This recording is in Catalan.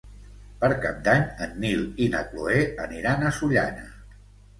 Per Cap d'Any en Nil i na Cloè aniran a Sollana.